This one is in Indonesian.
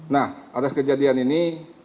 nah atas kejadian ini